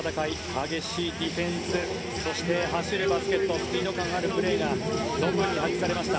激しいディフェンスそして、走るバスケットスピード感あるプレーが存分に発揮されました。